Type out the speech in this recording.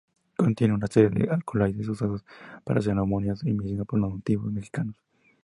Contiene una serie de alcaloides usados para ceremonias y medicina por los nativos mexicanos.